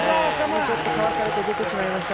ちょっとかわされて出てしま